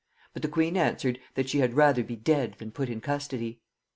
But the queen answered, 'that she had rather be dead than put in custody.'"